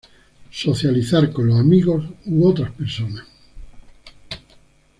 Socializar con los amigos u otras personas.